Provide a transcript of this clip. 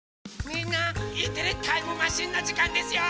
みんな「Ｅテレタイムマシン」のじかんですよ！